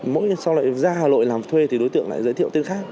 mỗi sau lại ra hà nội làm thuê thì đối tượng lại giới thiệu tên khác